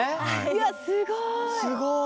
いやすごい！